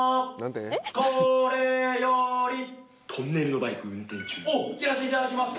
これより「トンネルのバイク運転中」をやらせていただきます。